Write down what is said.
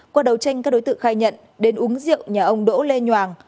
qua đầu tranh các đối tượng khai nhận đến uống rượu nhà ông đỗ lê nhoàng